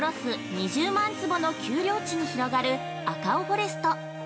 ２０万坪の丘陵地に広がるアカオフォレスト。